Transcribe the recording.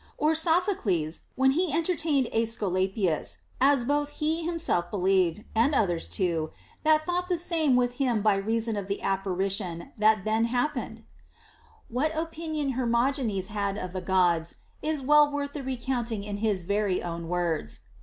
Or Sophocles, when he entertained Aesculapius, as both he himself believed, and others too, that thought the same with him by reason of the apparition that then happened \ What opinion Hermogenes had of the Gods is well worth the recounting in his very own words.